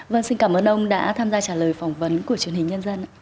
vâng xin cảm ơn ông đã tham gia trả lời phỏng vấn của truyền hình nhân dân